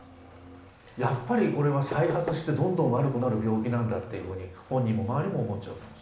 やっぱりこれは再発してどんどん悪くなる病気なんだっていうふうに本人も周りも思っちゃう。